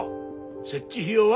設置費用は？